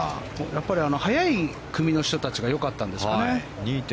やっぱり早い組の人たちがよかったんですかね。